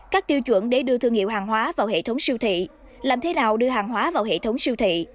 các tiêu chuẩn để đưa thương hiệu hàng hóa vào hệ thống siêu thị làm thế nào đưa hàng hóa vào hệ thống siêu thị